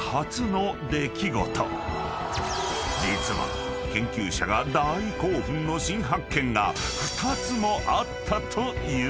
［実は研究者が大興奮の新発見が２つもあったというのだ］